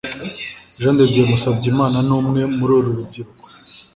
Jean de Dieu Musabyimana ni umwe muri uru rubyiruko